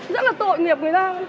rất là tội nghiệp người ta không biết